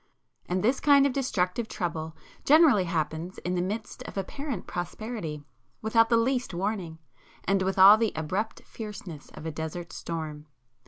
And this kind of destructive trouble generally happens in the midst of apparent prosperity, without the least warning, and with all the abrupt fierceness of a desert storm.